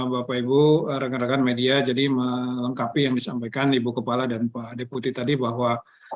bapak ibu rekan rekan media jadi melengkapi yang disampaikan ibu kepala dan pak deputi tadi bahwa